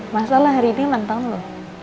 mas al lah hari ini nonton lo